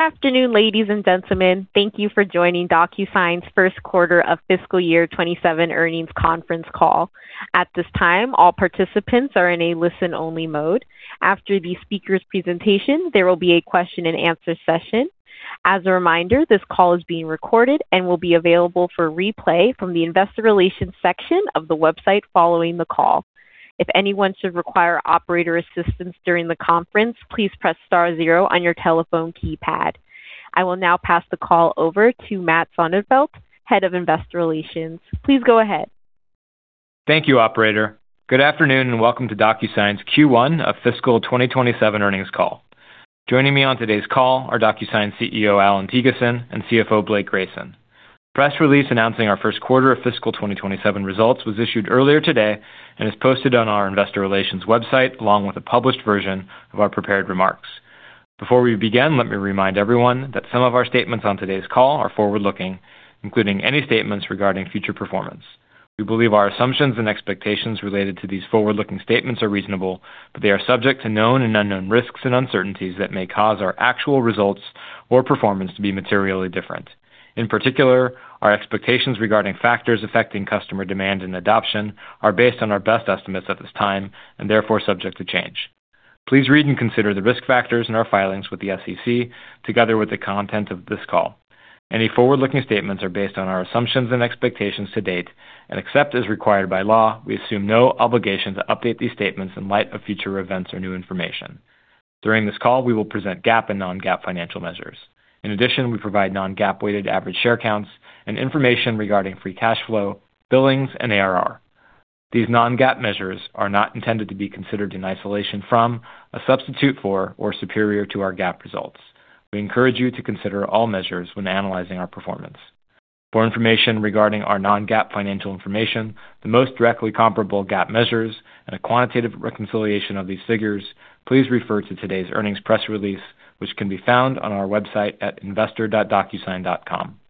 Afternoon, ladies and gentlemen. Thank you for joining DocuSign's first quarter of fiscal year 2027 earnings conference call. At this time, all participants are in a listen-only mode. After the speaker's presentation, there will be a question and answer session. As a reminder, this call is being recorded and will be available for replay from the investor relations section of the website following the call. If anyone should require operator assistance during the conference, please press star zero on your telephone keypad. I will now pass the call over to Matt Sonefeldt, Head of Investor Relations. Please go ahead. Thank you, operator. Good afternoon, and welcome to DocuSign's Q1 of fiscal 2027 earnings call. Joining me on today's call are DocuSign CEO, Allan Thygesen, and CFO, Blake Grayson. A press release announcing our first quarter of fiscal 2027 results was issued earlier today and is posted on our investor relations website, along with a published version of our prepared remarks. Before we begin, let me remind everyone that some of our statements on today's call are forward-looking, including any statements regarding future performance. We believe our assumptions and expectations related to these forward-looking statements are reasonable, but they are subject to known and unknown risks and uncertainties that may cause our actual results or performance to be materially different. In particular, our expectations regarding factors affecting customer demand and adoption are based on our best estimates at this time, and therefore subject to change. Please read and consider the risk factors in our filings with the SEC together with the content of this call. Any forward-looking statements are based on our assumptions and expectations to date, and except as required by law, we assume no obligation to update these statements in light of future events or new information. During this call, we will present GAAP and non-GAAP financial measures. In addition, we provide non-GAAP weighted average share counts and information regarding free cash flow, billings, and ARR. These non-GAAP measures are not intended to be considered in isolation from, a substitute for, or superior to our GAAP results. We encourage you to consider all measures when analyzing our performance. For information regarding our non-GAAP financial information, the most directly comparable GAAP measures, and a quantitative reconciliation of these figures, please refer to today's earnings press release, which can be found on our website at investor.docusign.com.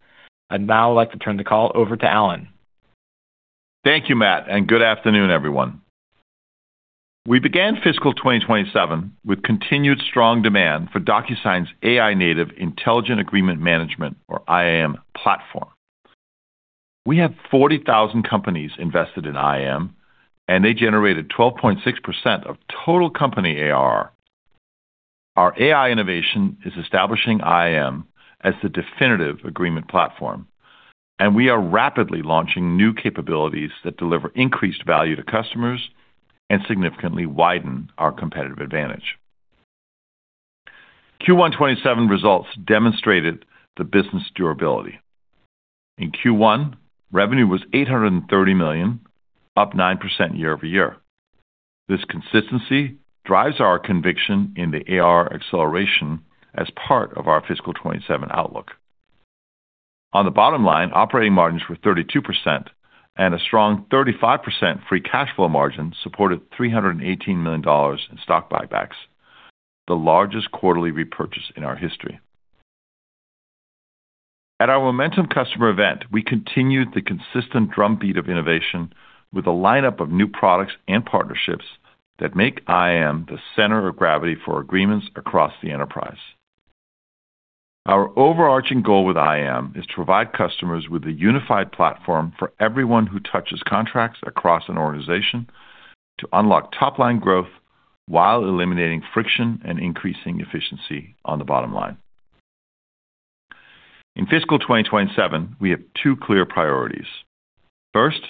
I'd now like to turn the call over to Allan Thygesen. Thank you, Matt Sonefeldt, and good afternoon, everyone. We began fiscal 2027 with continued strong demand for DocuSign's AI native Intelligent Agreement Management, or IAM platform. We have 40,000 companies invested in IAM, and they generated 12.6% of total company ARR. Our AI innovation is establishing IAM as the definitive agreement platform, and we are rapidly launching new capabilities that deliver increased value to customers and significantly widen our competitive advantage. Q1 2027 results demonstrated the business durability. In Q1, revenue was $830 million, up 9% year-over-year. This consistency drives our conviction in the ARR acceleration as part of our fiscal 2027 outlook. On the bottom line, operating margins were 32%, and a strong 35% free cash flow margin supported $318 million in stock buybacks, the largest quarterly repurchase in our history. At our Momentum customer event, we continued the consistent drumbeat of innovation with a lineup of new products and partnerships that make IAM the center of gravity for agreements across the enterprise. Our overarching goal with IAM is to provide customers with a unified platform for everyone who touches contracts across an organization to unlock top-line growth while eliminating friction and increasing efficiency on the bottom line. In fiscal 2027, we have two clear priorities. First,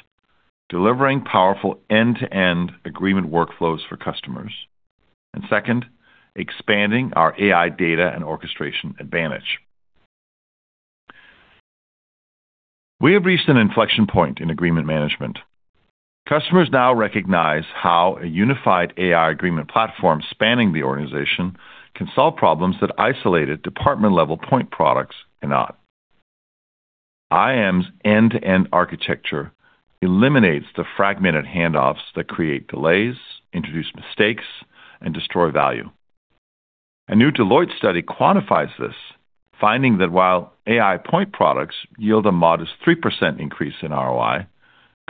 delivering powerful end-to-end agreement workflows for customers. Second, expanding our AI data and orchestration advantage. We have reached an inflection point in agreement management. Customers now recognize how a unified AI agreement platform spanning the organization can solve problems that isolated department-level point products cannot. IAM's end-to-end architecture eliminates the fragmented handoffs that create delays, introduce mistakes, and destroy value. A new Deloitte study quantifies this, finding that while AI point products yield a modest 3% increase in ROI,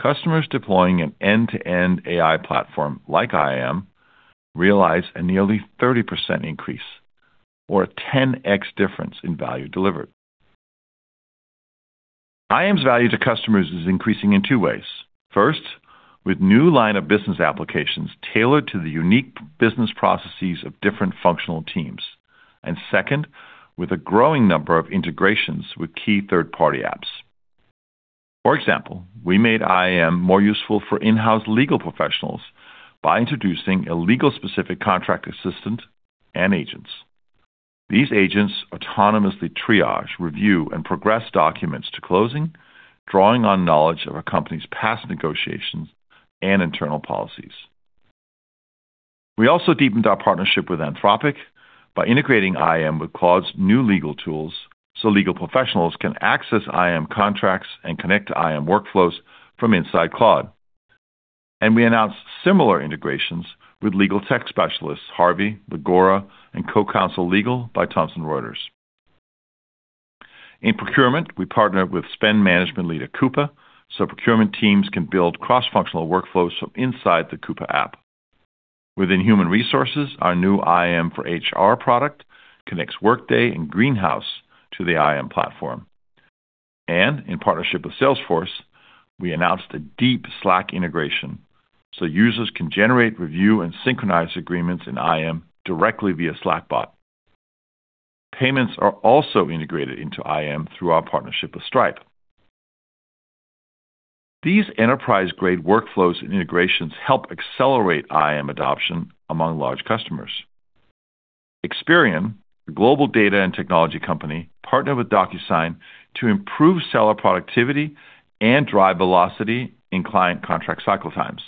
customers deploying an end-to-end AI platform like IAM realize a nearly 30% increase or a 10x difference in value delivered. IAM's value to customers is increasing in two ways. First, with new line of business applications tailored to the unique business processes of different functional teams. Second, with a growing number of integrations with key third-party apps. For example, we made IAM more useful for in-house legal professionals by introducing a legal specific contract assistant and agents. These agents autonomously triage, review, and progress documents to closing, drawing on knowledge of a company's past negotiations and internal policies. We also deepened our partnership with Anthropic by integrating IAM with Claude's new legal tools so legal professionals can access IAM contracts and connect to IAM workflows from inside Claude. We announced similar integrations with legal tech specialists Harvey, Legora, and CoCounsel Legal by Thomson Reuters. In procurement, we partner with spend management leader Coupa, so procurement teams can build cross-functional workflows from inside the Coupa app. Within human resources, our new IAM for HR product connects Workday and Greenhouse to the IAM platform. In partnership with Salesforce, we announced a deep Slack integration so users can generate, review, and synchronize agreements in IAM directly via Slack bot. Payments are also integrated into IAM through our partnership with Stripe. These enterprise-grade workflows and integrations help accelerate IAM adoption among large customers. Experian, the global data and technology company, partnered with DocuSign to improve seller productivity and drive velocity in client contract cycle times.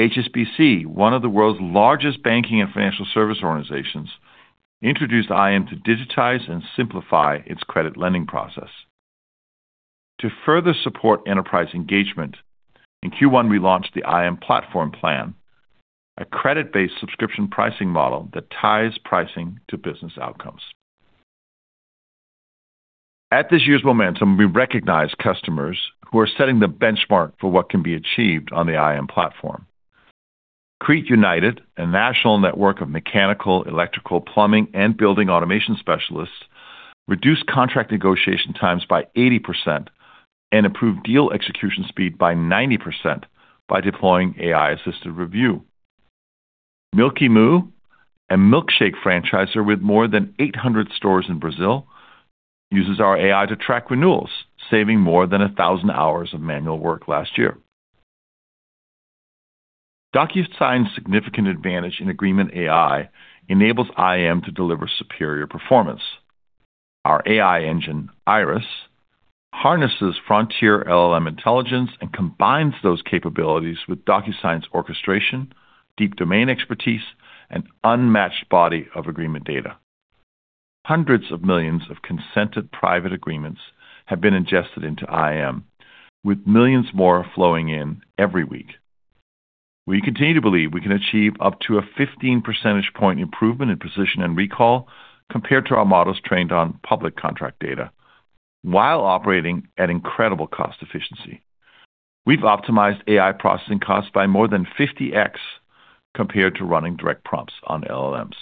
HSBC, one of the world's largest banking and financial service organizations, introduced IAM to digitize and simplify its credit lending process. To further support enterprise engagement, in Q1, we launched the IAM platform plan, a credit-based subscription pricing model that ties pricing to business outcomes. At this year's Momentum, we recognized customers who are setting the benchmark for what can be achieved on the IAM platform. Crete United, a national network of mechanical, electrical, plumbing, and building automation specialists, reduced contract negotiation times by 80% and improved deal execution speed by 90% by deploying AI-assisted review. Milky Moo, a milkshake franchisor with more than 800 stores in Brazil, uses our AI to track renewals, saving more than 1,000 hours of manual work last year. DocuSign's significant advantage in agreement AI enables IAM to deliver superior performance. Our AI engine, Iris, harnesses frontier LLM intelligence and combines those capabilities with DocuSign's orchestration, deep domain expertise, and unmatched body of agreement data. Hundreds of millions of consented private agreements have been ingested into IAM, with millions more flowing in every week. We continue to believe we can achieve up to a 15 percentage point improvement in precision and recall compared to our models trained on public contract data while operating at incredible cost efficiency. We've optimized AI processing costs by more than 50X compared to running direct prompts on LLMs.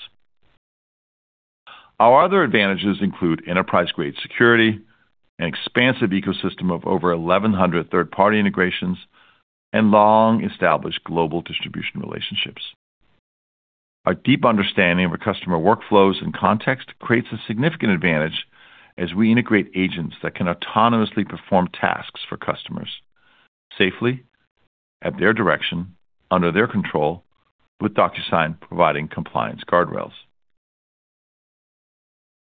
Our other advantages include enterprise-grade security, an expansive ecosystem of over 1,100 third-party integrations, and long-established global distribution relationships. Our deep understanding of our customer workflows and context creates a significant advantage as we integrate agents that can autonomously perform tasks for customers safely, at their direction, under their control, with DocuSign providing compliance guardrails.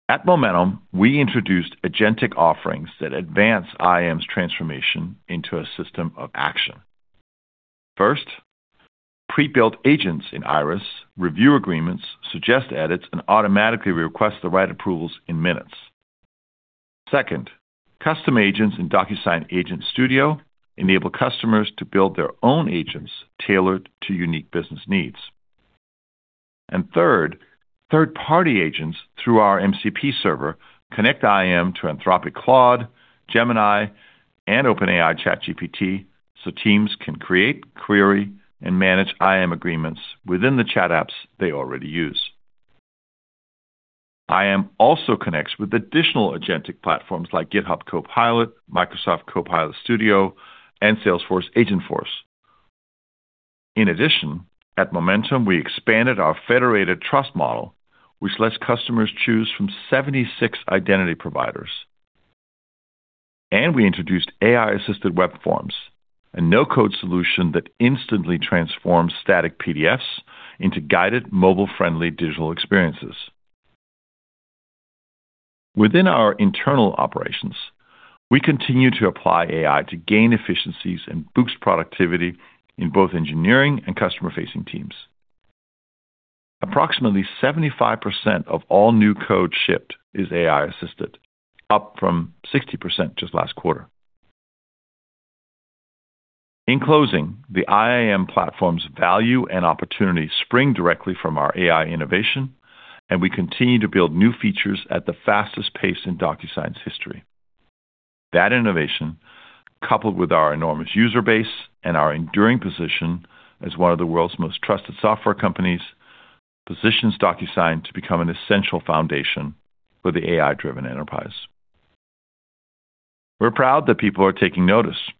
At Momentum, we introduced agentic offerings that advance IAM's transformation into a system of action. First, pre-built agents in Iris review agreements, suggest edits, and automatically request the right approvals in minutes. Second, custom agents in DocuSign Agent Studio enable customers to build their own agents tailored to unique business needs. Third, third-party agents through our MCP server connect IAM to Anthropic Claude, Gemini, and OpenAI ChatGPT so teams can create, query, and manage IAM agreements within the chat apps they already use. IAM also connects with additional agentic platforms like GitHub Copilot, Microsoft Copilot Studio, and Salesforce Agentforce. In addition, at Momentum, we expanded our federated trust model, which lets customers choose from 76 identity providers. We introduced AI-assisted web forms, a no-code solution that instantly transforms static PDFs into guided mobile-friendly digital experiences. Within our internal operations, we continue to apply AI to gain efficiencies and boost productivity in both engineering and customer-facing teams. Approximately 75% of all new code shipped is AI-assisted, up from 60% just last quarter. In closing, the IAM platform's value and opportunity spring directly from our AI innovation, and we continue to build new features at the fastest pace in DocuSign's history. That innovation, coupled with our enormous user base and our enduring position as one of the world's most trusted software companies, positions DocuSign to become an essential foundation for the AI-driven enterprise. We're proud that people are taking notice.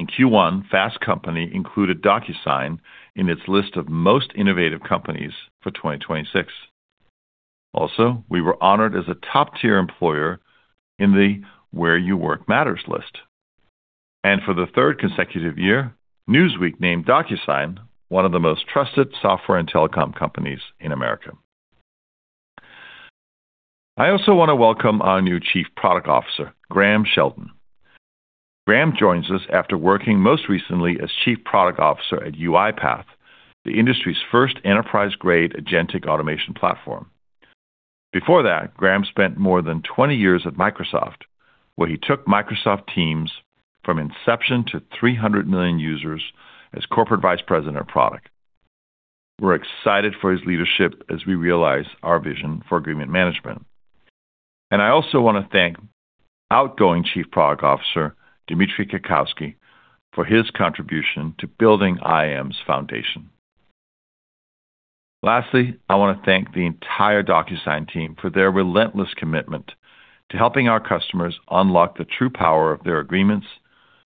In Q1, Fast Company included DocuSign in its list of most innovative companies for 2026. We were honored as a top-tier employer in the Where You Work Matters list. For the third consecutive year, Newsweek named DocuSign one of the most trusted software and telecom companies in America. I also want to welcome our new Chief Product Officer, Graham Sheldon. Graham Sheldon joins us after working most recently as Chief Product Officer at UiPath, the industry's first enterprise-grade agentic automation platform. Before that, Graham spent more than 20 years at Microsoft, where he took Microsoft Teams from inception to 300 million users as Corporate Vice President of Product. We're excited for his leadership as we realize our vision for agreement management. I also want to thank outgoing Chief Product Officer, Dmitri Krakovsky, for his contribution to building IAM's foundation. Lastly, I want to thank the entire DocuSign team for their relentless commitment to helping our customers unlock the true power of their agreements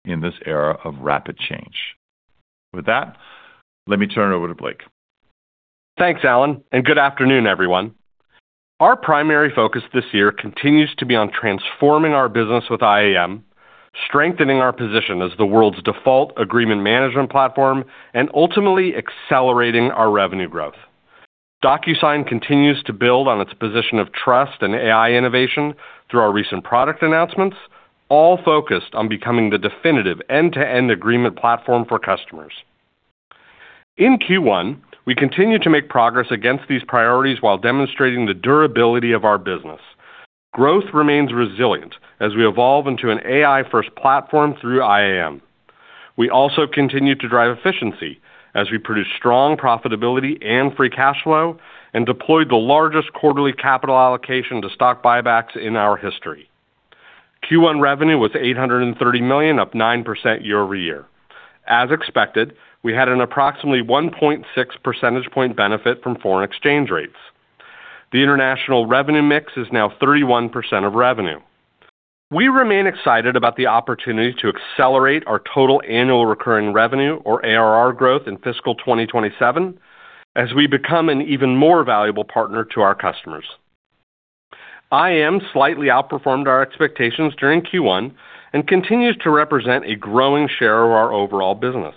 in this era of rapid change. With that, let me turn it over to Blake Grayson. Thanks, Allan Thygesen, and good afternoon, everyone. Our primary focus this year continues to be on transforming our business with IAM, strengthening our position as the world's default agreement management platform, and ultimately accelerating our revenue growth. DocuSign continues to build on its position of trust and AI innovation through our recent product announcements, all focused on becoming the definitive end-to-end agreement platform for customers. In Q1, we continued to make progress against these priorities while demonstrating the durability of our business. Growth remains resilient as we evolve into an AI-first platform through IAM. We also continued to drive efficiency as we produced strong profitability and free cash flow and deployed the largest quarterly capital allocation to stock buybacks in our history. Q1 revenue was $830 million, up 9% year-over-year. As expected, we had an approximately 1.6 percentage point benefit from foreign exchange rates. The international revenue mix is now 31% of revenue. We remain excited about the opportunity to accelerate our total annual recurring revenue, or ARR growth in fiscal 2027 as we become an even more valuable partner to our customers. IAM slightly outperformed our expectations during Q1 and continues to represent a growing share of our overall business.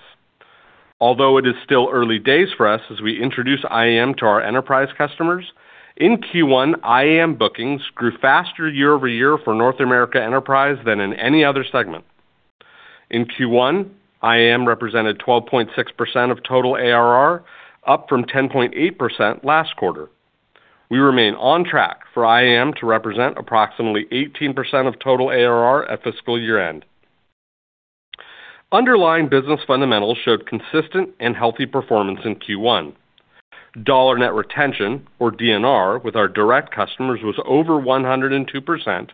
Although it is still early days for us as we introduce IAM to our enterprise customers, in Q1, IAM bookings grew faster year-over-year for North America Enterprise than in any other segment. In Q1, IAM represented 12.6% of total ARR, up from 10.8% last quarter. We remain on track for IAM to represent approximately 18% of total ARR at fiscal year-end. Underlying business fundamentals showed consistent and healthy performance in Q1. Dollar net retention, or DNR, with our direct customers was over 102%,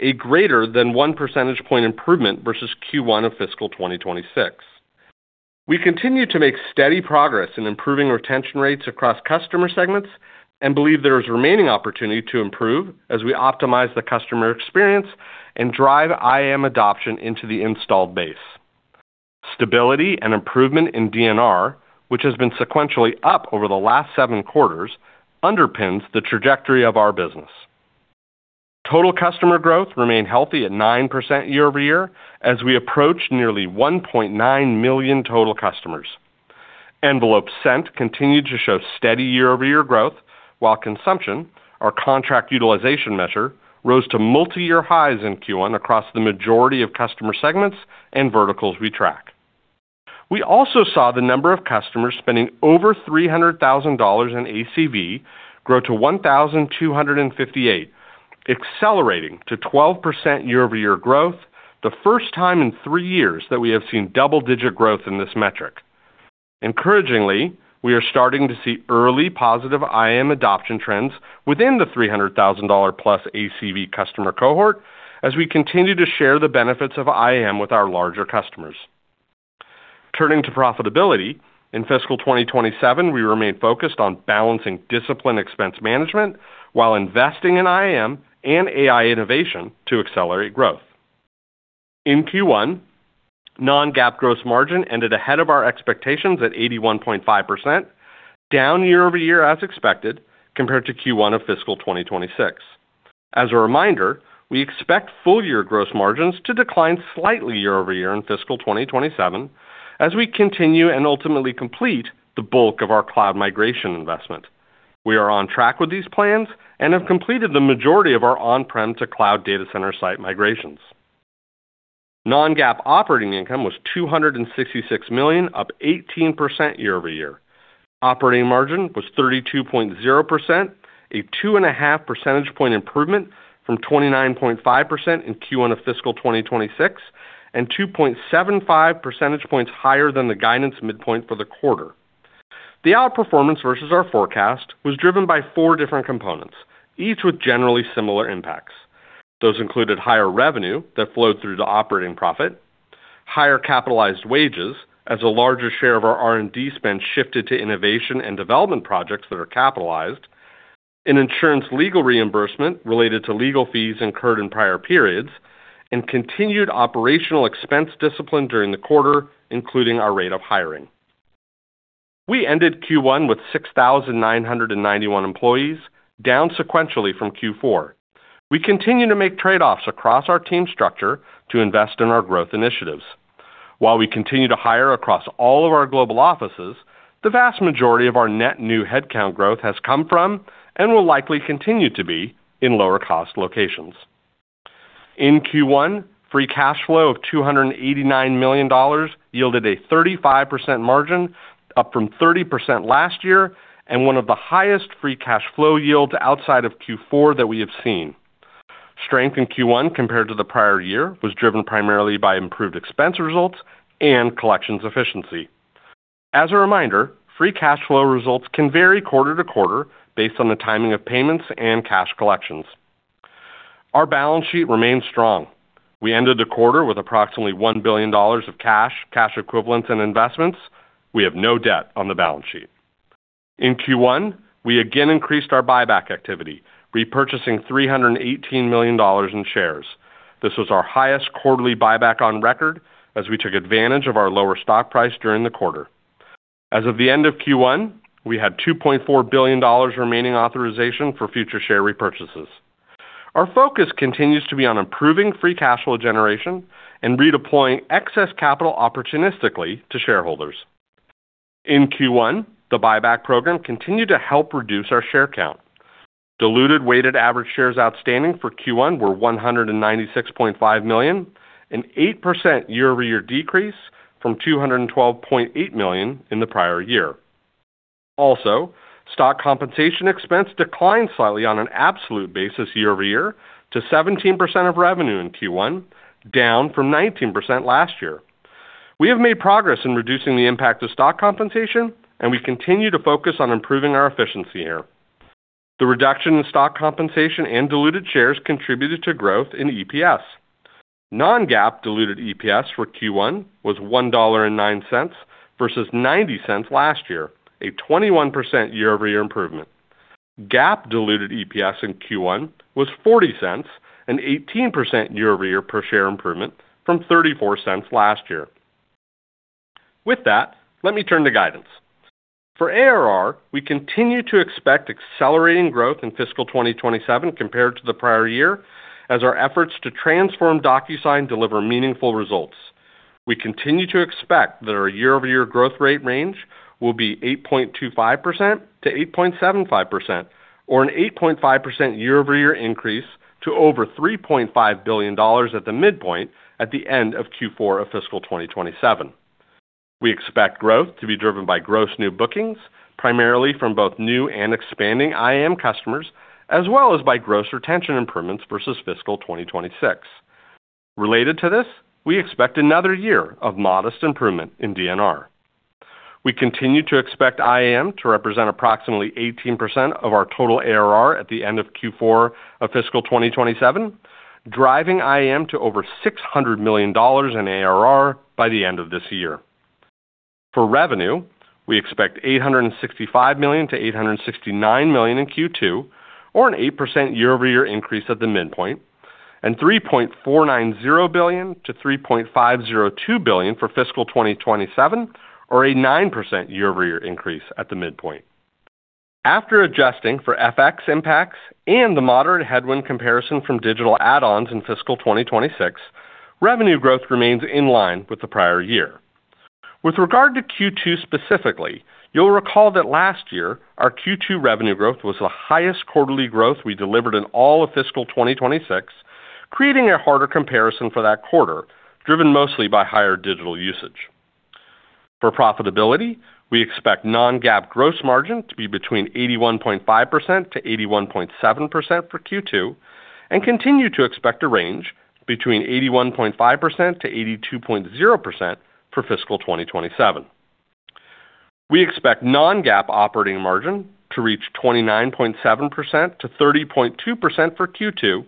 a greater than one percentage point improvement versus Q1 of fiscal 2026. We continue to make steady progress in improving retention rates across customer segments and believe there is remaining opportunity to improve as we optimize the customer experience and drive IAM adoption into the installed base. Stability and improvement in DNR, which has been sequentially up over the last seven quarters, underpins the trajectory of our business. Total customer growth remained healthy at 9% year-over-year as we approached nearly 1.9 million total customers. Envelopes sent continued to show steady year-over-year growth, while consumption, our contract utilization measure, rose to multiyear highs in Q1 across the majority of customer segments and verticals we track. We also saw the number of customers spending over $300,000 in ACV grow to 1,258, accelerating to 12% year-over-year growth, the first time in three years that we have seen double-digit growth in this metric. Encouragingly, we are starting to see early positive IAM adoption trends within the $300,000-plus ACV customer cohort as we continue to share the benefits of IAM with our larger customers. Turning to profitability, in fiscal 2027, we remain focused on balancing disciplined expense management while investing in IAM and AI innovation to accelerate growth. In Q1, non-GAAP gross margin ended ahead of our expectations at 81.5%, down year-over-year as expected, compared to Q1 of fiscal 2026. As a reminder, we expect full year gross margins to decline slightly year-over-year in fiscal 2027 as we continue and ultimately complete the bulk of our cloud migration investment. We are on track with these plans and have completed the majority of our on-prem to cloud data center site migrations. Non-GAAP operating income was $266 million, up 18% year-over-year. Operating margin was 32.0%, a 2.5 percentage point improvement from 29.5% in Q1 of fiscal 2026 and 2.75 percentage points higher than the guidance midpoint for the quarter. The outperformance versus our forecast was driven by four different components, each with generally similar impacts. Those included higher revenue that flowed through to operating profit, higher capitalized wages as a larger share of our R&D spend shifted to innovation and development projects that are capitalized, an insurance legal reimbursement related to legal fees incurred in prior periods, and continued operational expense discipline during the quarter, including our rate of hiring. We ended Q1 with 6,991 employees, down sequentially from Q4. We continue to make trade-offs across our team structure to invest in our growth initiatives. While we continue to hire across all of our global offices, the vast majority of our net new head count growth has come from and will likely continue to be in lower cost locations. In Q1, free cash flow of $289 million yielded a 35% margin, up from 30% last year and one of the highest free cash flow yields outside of Q4 that we have seen. Strength in Q1 compared to the prior year was driven primarily by improved expense results and collections efficiency. As a reminder, free cash flow results can vary quarter to quarter based on the timing of payments and cash collections. Our balance sheet remains strong. We ended the quarter with approximately $1 billion of cash equivalents, and investments. We have no debt on the balance sheet. In Q1, we again increased our buyback activity, repurchasing $318 million in shares. This was our highest quarterly buyback on record, as we took advantage of our lower stock price during the quarter. As of the end of Q1, we had $2.4 billion remaining authorization for future share repurchases. Our focus continues to be on improving free cash flow generation and redeploying excess capital opportunistically to shareholders. In Q1, the buyback program continued to help reduce our share count. Diluted weighted average shares outstanding for Q1 were 196.5 million, an 8% year-over-year decrease from 212.8 million in the prior year. Stock compensation expense declined slightly on an absolute basis year-over-year to 17% of revenue in Q1, down from 19% last year. We have made progress in reducing the impact of stock compensation, and we continue to focus on improving our efficiency here. The reduction in stock compensation and diluted shares contributed to growth in EPS. Non-GAAP diluted EPS for Q1 was $1.09 versus $0.90 last year, a 21% year-over-year improvement. GAAP diluted EPS in Q1 was $0.40, an 18% year-over-year per share improvement from $0.34 last year. With that, let me turn to guidance. For ARR, we continue to expect accelerating growth in fiscal 2027 compared to the prior year, as our efforts to transform DocuSign deliver meaningful results. We continue to expect that our year-over-year growth rate range will be 8.25%-8.75%, or an 8.5% year-over-year increase to over $3.5 billion at the midpoint at the end of Q4 of fiscal 2027. We expect growth to be driven by gross new bookings, primarily from both new and expanding IAM customers, as well as by gross retention improvements versus fiscal 2026. Related to this, we expect another year of modest improvement in DNR. We continue to expect IAM to represent approximately 18% of our total ARR at the end of Q4 of fiscal 2027, driving IAM to over $600 million in ARR by the end of this year. For revenue, we expect $865 million-$869 million in Q2, or an 8% year-over-year increase at the midpoint, and $3.490 billion-$3.502 billion for fiscal 2027, or a 9% year-over-year increase at the midpoint. After adjusting for FX impacts and the moderate headwind comparison from digital add-ons in fiscal 2026, revenue growth remains in line with the prior year. With regard to Q2 specifically, you'll recall that last year, our Q2 revenue growth was the highest quarterly growth we delivered in all of fiscal 2026, creating a harder comparison for that quarter, driven mostly by higher digital usage. For profitability, we expect non-GAAP gross margin to be between 81.5%-81.7% for Q2, and continue to expect a range between 81.5%-82.0% for fiscal 2027. We expect non-GAAP operating margin to reach 29.7%-30.2% for Q2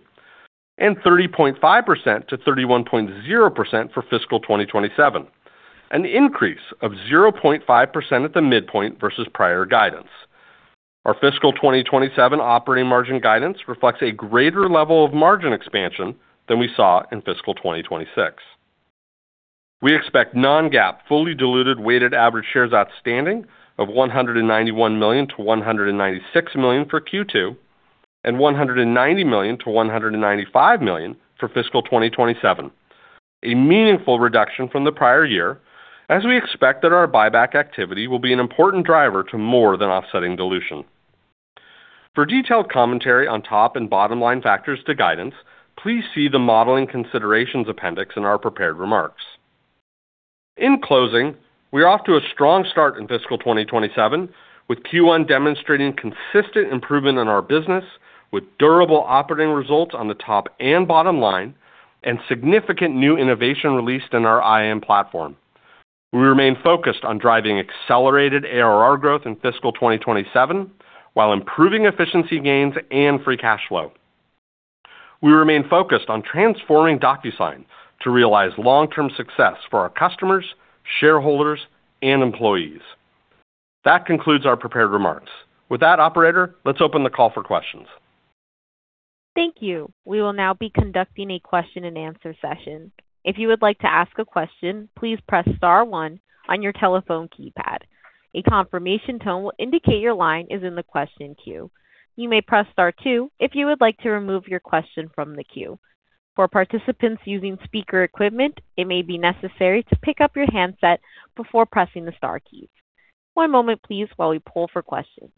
and 30.5%-31.0% for fiscal 2027, an increase of 0.5% at the midpoint versus prior guidance. Our fiscal 2027 operating margin guidance reflects a greater level of margin expansion than we saw in fiscal 2026. We expect non-GAAP fully diluted weighted average shares outstanding of 191 million-196 million for Q2 and 190 million-195 million for fiscal 2027, a meaningful reduction from the prior year, as we expect that our buyback activity will be an important driver to more than offsetting dilution. For detailed commentary on top and bottom line factors to guidance, please see the Modeling Considerations appendix in our prepared remarks. In closing, we're off to a strong start in fiscal 2027, with Q1 demonstrating consistent improvement in our business with durable operating results on the top and bottom line and significant new innovation released in our IAM platform. We remain focused on driving accelerated ARR growth in fiscal 2027 while improving efficiency gains and free cash flow. We remain focused on transforming DocuSign to realize long-term success for our customers, shareholders, and employees. That concludes our prepared remarks. With that, operator, let's open the call for questions. Thank you. We will now be conducting a question and answer session. If you would like to ask a question, please press star one on your telephone keypad. A confirmation tone will indicate your line is in the question queue. You may press star two if you would like to remove your question from the queue. For participants using speaker equipment, it may be necessary to pick up your handset before pressing the star keys. One moment, please, while we poll for questions.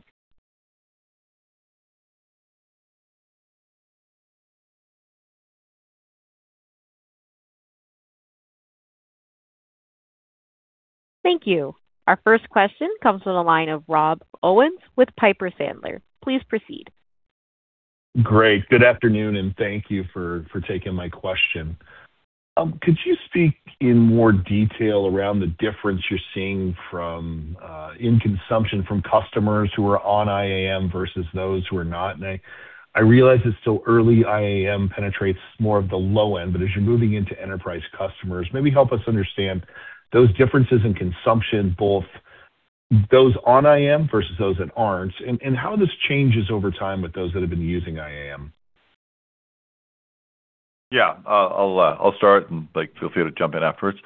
Thank you. Our first question comes from the line of Rob Owens with Piper Sandler. Please proceed. Great. Good afternoon, and thank you for taking my question. Could you speak in more detail around the difference you're seeing in consumption from customers who are on IAM versus those who are not? I realize it's still early, IAM penetrates more of the low end, but as you're moving into enterprise customers, maybe help us understand those differences in consumption, both those on IAM versus those that aren't, and how this changes over time with those that have been using IAM. Yeah. I'll start and feel free to jump in afterwards.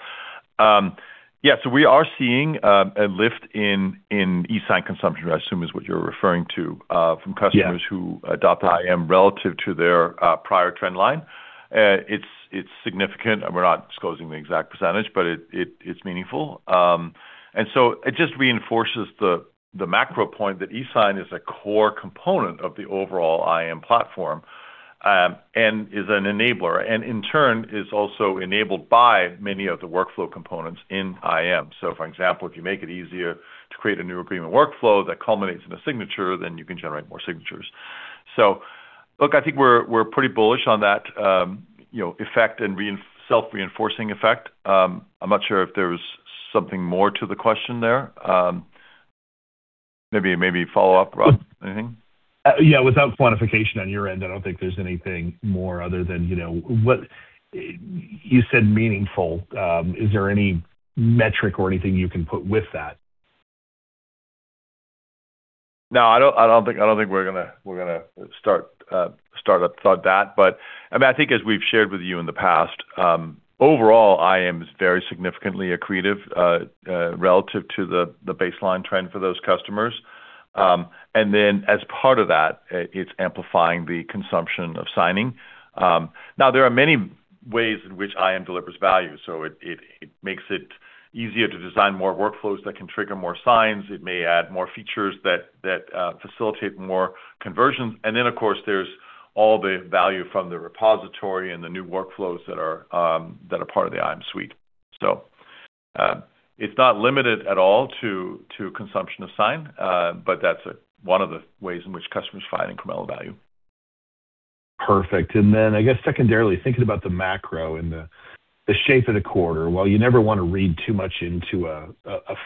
Yeah. We are seeing a lift in eSign consumption, I assume is what you're referring to. Yeah from customers who adopt IAM relative to their prior trend line. It's significant, and we're not disclosing the exact %, but it's meaningful. It just reinforces the macro point that eSign is a core component of the overall IAM platform, and is an enabler. In turn, is also enabled by many of the workflow components in IAM. For example, if you make it easier to create a new agreement workflow that culminates in a signature, then you can generate more signatures. Look, I think we're pretty bullish on that effect and self-reinforcing effect. I'm not sure if there's something more to the question there. Maybe a follow-up, Rob Owens. Anything? Yeah. Without quantification on your end, I don't think there's anything more other than, you said meaningful. Is there any metric or anything you can put with that? No, I don't think we're going to start up though that, but I think as we've shared with you in the past, overall, IAM is very significantly accretive, relative to the baseline trend for those customers. As part of that, it's amplifying the consumption of signing. Now, there are many ways in which IAM delivers value, so it makes it easier to design more workflows that can trigger more signs. It may add more features that facilitate more conversions. Of course, there's all the value from the repository and the new workflows that are part of the IAM suite. It's not limited at all to consumption of sign, but that's one of the ways in which customers find incremental value. Perfect. I guess secondarily, thinking about the macro and the shape of the quarter, while you never want to read too much into a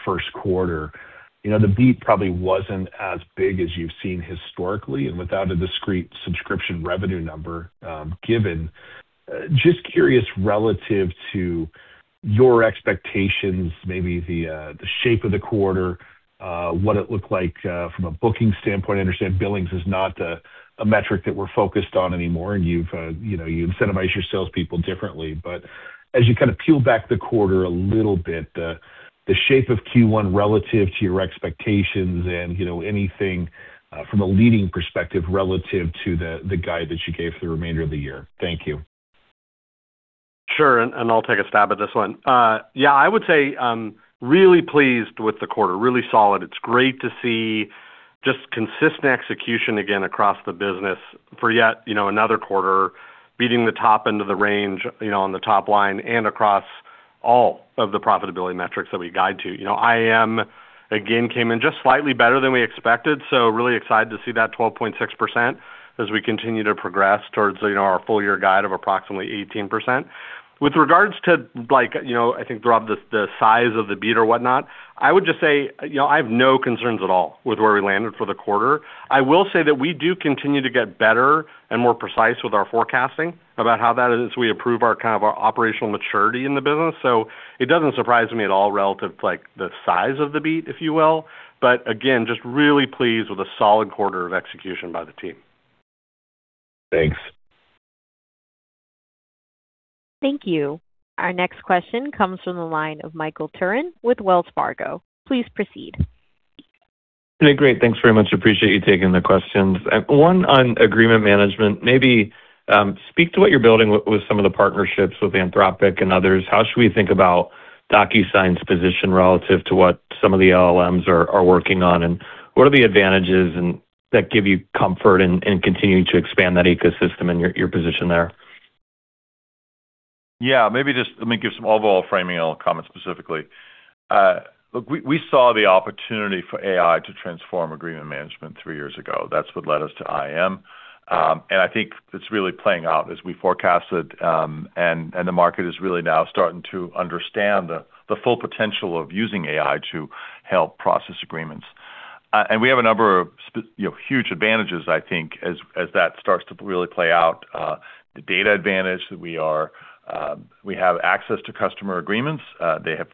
first quarter, the beat probably wasn't as big as you've seen historically, and without a discrete subscription revenue number given. Just curious relative to your expectations, maybe the shape of the quarter, what it looked like from a booking standpoint. I understand billings is not a metric that we're focused on anymore, and you incentivize your salespeople differently. As you kind of peel back the quarter a little bit, the shape of Q1 relative to your expectations and anything from a leading perspective relative to the guide that you gave for the remainder of the year. Thank you. Sure, I'll take a stab at this one. Yeah, I would say, really pleased with the quarter. Really solid. It's great to see just consistent execution again across the business for yet another quarter. Beating the top end of the range on the top line and across all of the profitability metrics that we guide to. IAM, again, came in just slightly better than we expected, so really excited to see that 12.6% as we continue to progress towards our full year guide of approximately 18%. With regards to, I think, Rob, the size of the beat or whatnot, I would just say, I have no concerns at all with where we landed for the quarter. I will say that we do continue to get better and more precise with our forecasting about how that is, as we improve our operational maturity in the business. It doesn't surprise me at all relative to the size of the beat, if you will. Again, just really pleased with a solid quarter of execution by the team. Thanks. Thank you. Our next question comes from the line of Michael Turrin with Wells Fargo. Please proceed. Hey, great. Thanks very much. Appreciate you taking the questions. One on agreement management. Maybe speak to what you're building with some of the partnerships with Anthropic and others. How should we think about DocuSign's position relative to what some of the LLMs are working on, and what are the advantages that give you comfort in continuing to expand that ecosystem and your position there? Yeah. Maybe just let me give some overall framing, and I'll comment specifically. Look, we saw the opportunity for AI to transform agreement management three years ago. That's what led us to IAM. I think it's really playing out as we forecasted, and the market is really now starting to understand the full potential of using AI to help process agreements. We have a number of huge advantages, I think, as that starts to really play out. The data advantage that we have access to customer agreements. They have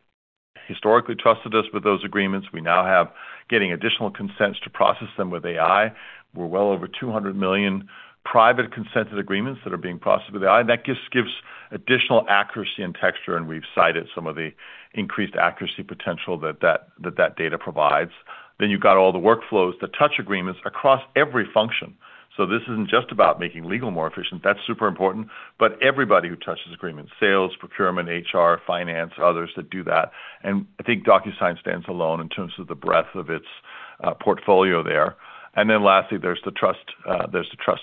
historically trusted us with those agreements. We now have getting additional consents to process them with AI. We're well over 200 million private consented agreements that are being processed with AI, and that just gives additional accuracy and texture, and we've cited some of the increased accuracy potential that that data provides. You've got all the workflows that touch agreements across every function. This isn't just about making legal more efficient. That's super important, but everybody who touches agreements, sales, procurement, HR, finance, others that do that. I think DocuSign stands alone in terms of the breadth of its portfolio there. Lastly, there's the trust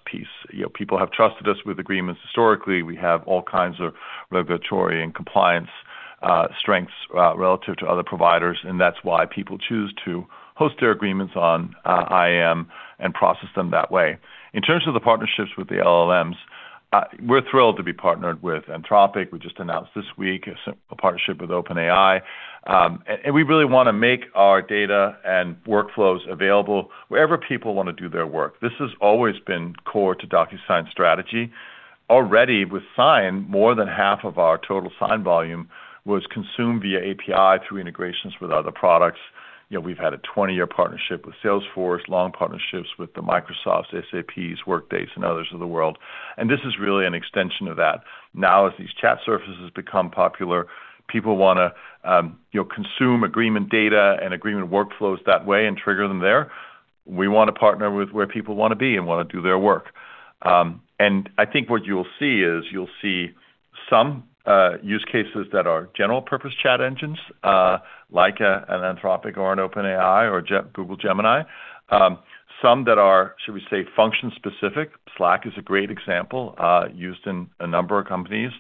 piece. People have trusted us with agreements historically. We have all kinds of regulatory and compliance strengths relative to other providers, and that's why people choose to host their agreements on IAM and process them that way. In terms of the partnerships with the LLMs, we're thrilled to be partnered with Anthropic. We just announced this week a partnership with OpenAI. We really want to make our data and workflows available wherever people want to do their work. This has always been core to DocuSign strategy. Already with Sign, more than half of our total Sign volume was consumed via API through integrations with other products. We've had a 20-year partnership with Salesforce, long partnerships with the Microsofts, SAPs, Workdays, and others of the world. This is really an extension of that. Now, as these chat surfaces become popular, people want to consume agreement data and agreement workflows that way and trigger them there. We want to partner with where people want to be and want to do their work. I think what you'll see is you'll see some use cases that are general purpose chat engines, like an Anthropic or an OpenAI or Google Gemini. Some that are, should we say, function specific. Slack is a great example, used in a number of companies.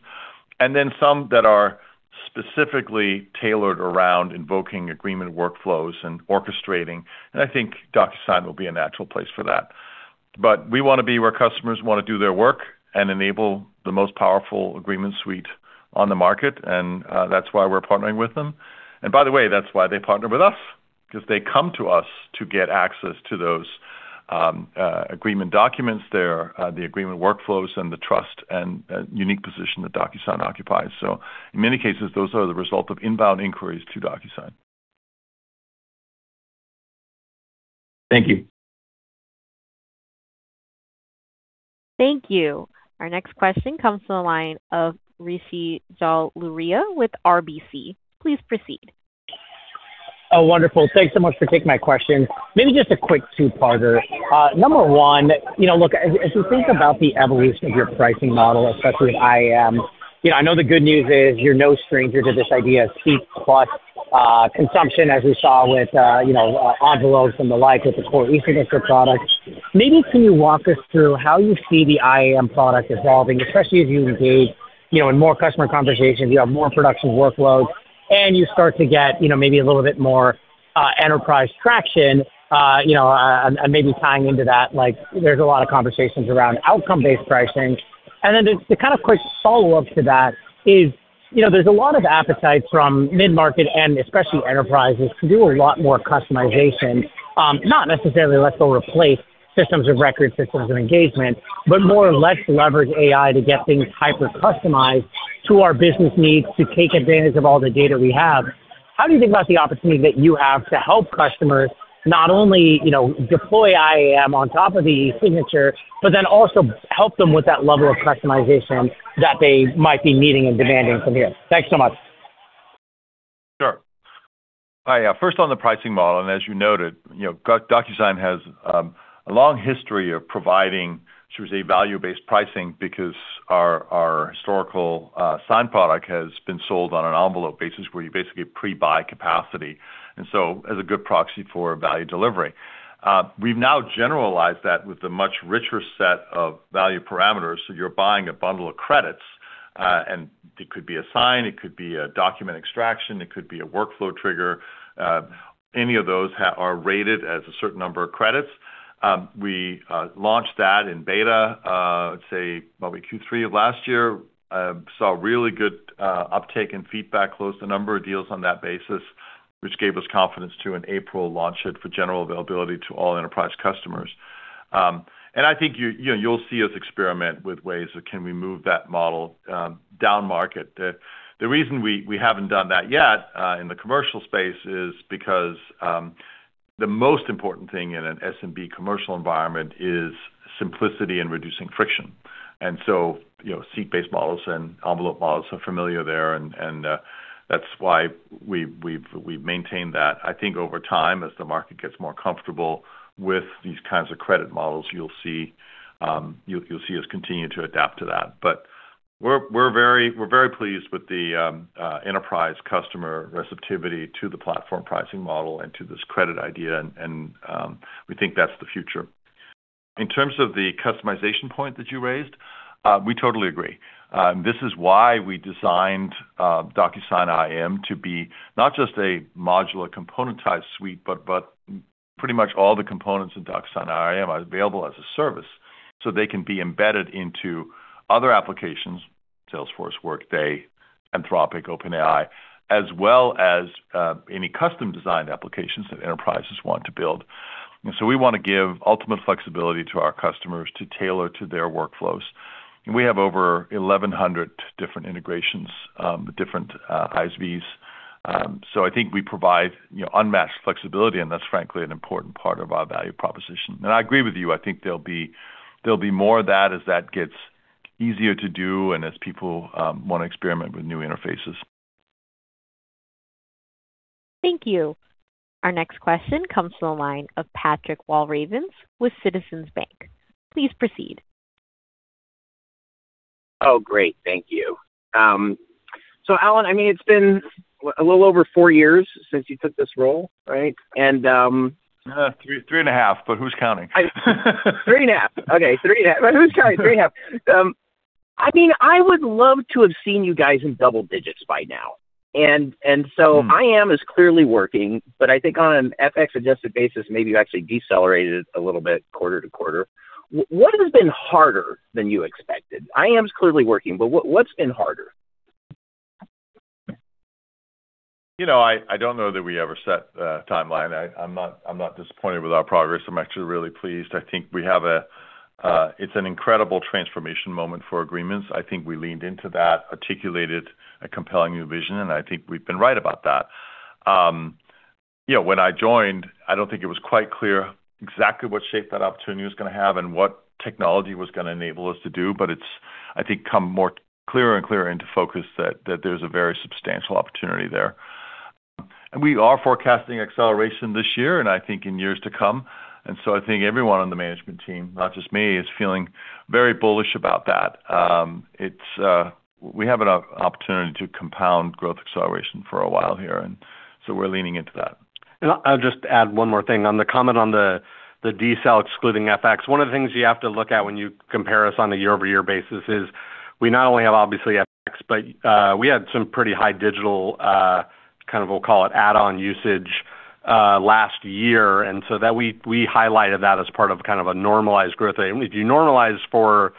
Some that are specifically tailored around invoking agreement workflows and orchestrating, I think DocuSign will be a natural place for that. We want to be where customers want to do their work and enable the most powerful agreement suite on the market. That's why we're partnering with them. By the way, that's why they partner with us, because they come to us to get access to those agreement documents there, the agreement workflows, and the trust and unique position that DocuSign occupies. In many cases, those are the result of inbound inquiries to DocuSign. Thank you. Thank you. Our next question comes to the line of Rishi Jaluria with RBC. Please proceed. Oh, wonderful. Thanks so much for taking my question. Maybe just a quick two-parter. Number one, look, as we think about the evolution of your pricing model, especially with IAM, I know the good news is you're no stranger to this idea of seat plus consumption, as we saw with envelopes and the like with the core e-signature products. Maybe can you walk us through how you see the IAM product evolving, especially as you engage in more customer conversations, you have more production workloads, and you start to get maybe a little bit more enterprise traction. Maybe tying into that, there's a lot of conversations around outcome-based pricing. The kind of quick follow-up to that is, there's a lot of appetite from mid-market and especially enterprises to do a lot more customization. Not necessarily let's go replace systems of record, systems of engagement, but more or less leverage AI to get things hyper-customized to our business needs to take advantage of all the data we have. How do you think about the opportunity that you have to help customers not only deploy IAM on top of the e-signature, but then also help them with that level of customization that they might be needing and demanding from you? Thanks so much. Sure. First on the pricing model, as you noted, DocuSign has a long history of providing, should we say, value-based pricing because our historical Sign product has been sold on an envelope basis, where you basically pre-buy capacity, as a good proxy for value delivery. We've now generalized that with a much richer set of value parameters, you're buying a bundle of credits. It could be a sign, it could be a document extraction, it could be a workflow trigger. Any of those are rated as a certain number of credits. We launched that in beta, I'd say probably Q3 of last year. We saw really good uptake and feedback, closed a number of deals on that basis, which gave us confidence to in April launch it for general availability to all enterprise customers. I think you'll see us experiment with ways that can we move that model down market. The reason we haven't done that yet in the commercial space is because the most important thing in an SMB commercial environment is simplicity and reducing friction. Seat-based models and envelope models are familiar there, and that's why we've maintained that. I think over time, as the market gets more comfortable with these kinds of credit models, you'll see us continue to adapt to that. We're very pleased with the enterprise customer receptivity to the platform pricing model and to this credit idea, and we think that's the future. In terms of the customization point that you raised, we totally agree. This is why we designed DocuSign IAM to be not just a modular componentized suite, but pretty much all the components of DocuSign IAM are available as a service, so they can be embedded into other applications, Salesforce, Workday, Anthropic, OpenAI, as well as any custom-designed applications that enterprises want to build. We want to give ultimate flexibility to our customers to tailor to their workflows. We have over 1,100 different integrations with different ISVs. I think we provide unmatched flexibility, and that's frankly an important part of our value proposition. I agree with you. I think there'll be more of that as that gets easier to do and as people want to experiment with new interfaces. Thank you. Our next question comes to the line of Patrick Walravens with Citizens JMP. Please proceed. Oh, great. Thank you. Allan Thygesen, it's been a little over four years since you took this role, right? Three and a half, but who's counting? Three and a half. Okay. Three and a half. Who's counting? Three and a half. IAM is clearly working, but I think on an FX-adjusted basis, maybe you actually decelerated a little bit quarter-to-quarter. What has been harder than you expected? IAM's clearly working, but what's been harder? I don't know that we ever set a timeline. I'm not disappointed with our progress. I'm actually really pleased. I think it's an incredible transformation moment for agreements. I think we leaned into that, articulated a compelling new vision, and I think we've been right about that. When I joined, I don't think it was quite clear exactly what shape that opportunity was going to have and what technology was going to enable us to do, but it's, I think, come more clearer and clearer into focus that there's a very substantial opportunity there. We are forecasting acceleration this year, and I think in years to come. I think everyone on the management team, not just me, is feeling very bullish about that. We have an opportunity to compound growth acceleration for a while here, and so we're leaning into that. I'll just add one more thing on the comment on the decel excluding FX. One of the things you have to look at when you compare us on a year-over-year basis is we not only have, obviously, FX, but we had some pretty high digital, we'll call it add-on usage, last year. We highlighted that as part of a normalized growth rate. When you normalize for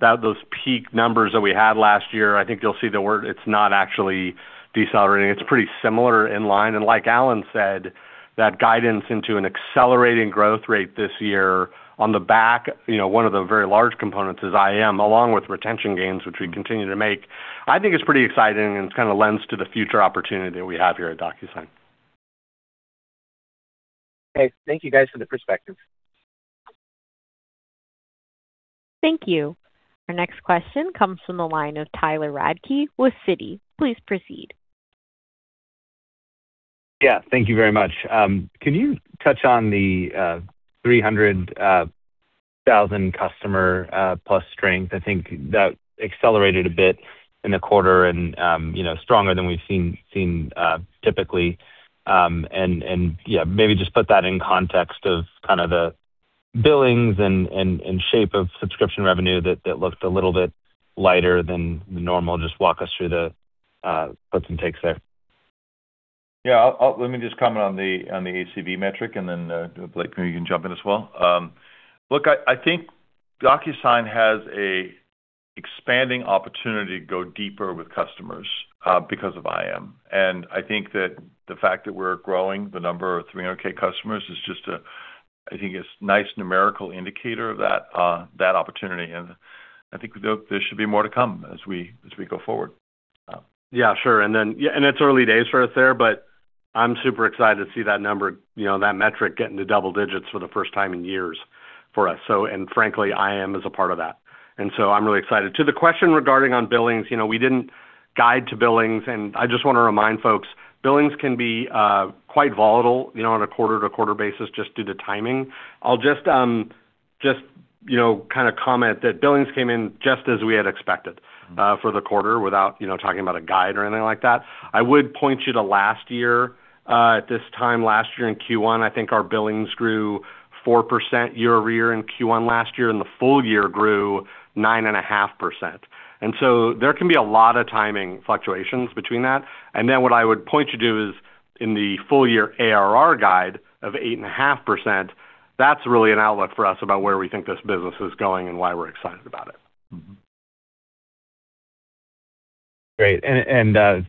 those peak numbers that we had last year, I think you'll see that it's not actually decelerating. It's pretty similar in line. Like Allan said, that guidance into an accelerating growth rate this year on the back, one of the very large components is IAM, along with retention gains, which we continue to make. I think it's pretty exciting, and it lends to the future opportunity that we have here at DocuSign. Okay. Thank you guys for the perspective. Thank you. Our next question comes from the line of Tyler Radke with Citi. Please proceed. Yeah, thank you very much. Can you touch on the 300,000 customer plus strength? I think that accelerated a bit in the quarter and stronger than we've seen typically. Yeah, maybe just put that in context of the billings and shape of subscription revenue that looked a little bit lighter than normal. Just walk us through the puts and takes there. Yeah, let me just comment on the ACV metric, and then Blake, maybe you can jump in as well. Look, I think DocuSign has an expanding opportunity to go deeper with customers because of IAM. I think that the fact that we're growing the number of 300,000 customers, I think it's a nice numerical indicator of that opportunity, and I think there should be more to come as we go forward. Yeah, sure. It's early days for us there, but I'm super excited to see that number, that metric get into double digits for the first time in years for us. Frankly, IAM is a part of that. I'm really excited. To the question regarding on billings, we didn't guide to billings, and I just want to remind folks, billings can be quite volatile, on a quarter-to-quarter basis just due to timing. I'll just comment that billings came in just as we had expected for the quarter without talking about a guide or anything like that. I would point you to last year. At this time last year in Q1, I think our billings grew 4% year-over-year in Q1 last year, and the full year grew 9.5%. There can be a lot of timing fluctuations between that. What I would point you to is in the full year ARR guide of 8.5%, that's really an outlook for us about where we think this business is going and why we're excited about it. Great.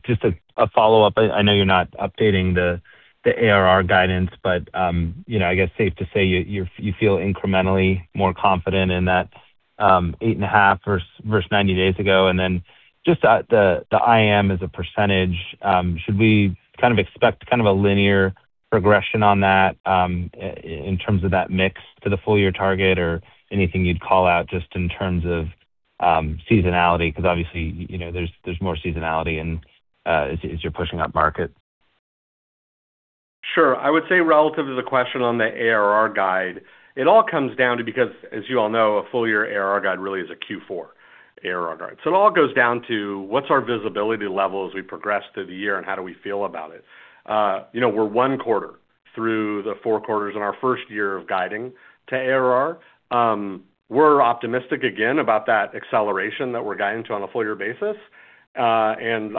Just a follow-up. I know you're not updating the ARR guidance, but I guess safe to say you feel incrementally more confident in that 8.5 versus 90 days ago, and then just the IAM as a %, should we expect a linear progression on that, in terms of that mix to the full year target or anything you'd call out just in terms of seasonality? Obviously, there's more seasonality as you're pushing up market. Sure. I would say relative to the question on the ARR guide, it all comes down to, because as you all know, a full year ARR guide really is a Q4 ARR guide. It all goes down to what's our visibility level as we progress through the year, and how do we feel about it? We're one quarter through the four quarters in our first year of guiding to ARR. I